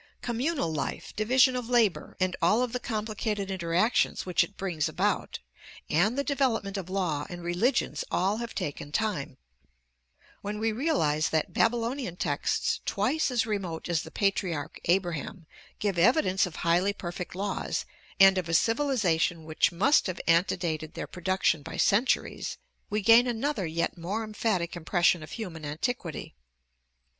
Communal life, division of labor and all of the complicated interactions which it brings about, and the development of law and religions all have taken time. When we realize that Babylonian texts, twice as remote as the patriarch Abraham, give evidence of highly perfect laws and of a civilization which must have antedated their production by centuries, we gain another yet more emphatic impression of human antiquity.